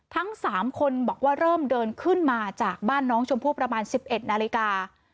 ทั้ง๓คนบอกว่าเริ่มเดินขึ้นมาจากบ้านน้องชมพู่ประมาณ๑๑นาฬิกา